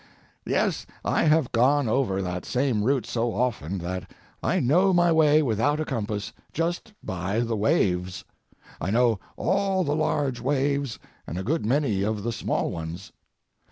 Yes, I have gone over that same route so often that I know my way without a compass, just by the waves. I know all the large waves and a good many of the small ones.